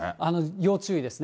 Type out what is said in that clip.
要注意ですね。